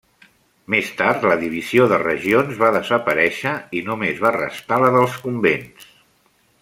Més tard la divisió de regions va desaparèixer i només va restar la dels convents.